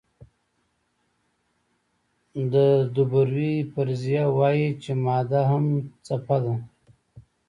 د دوبروی فرضیه وایي چې ماده هم څپه ده.